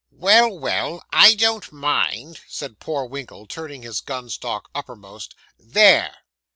'Well, well I don't mind,' said poor Winkle, turning his gun stock uppermost 'there.